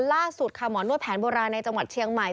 ล่าสุดค่ะหมอนวดแผนโบราณในจังหวัดเชียงใหม่